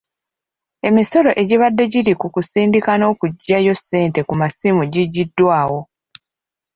Emisolo egibadde giri ku kusindika n'okuggyayo ssente ku masimu gigyiddwawo.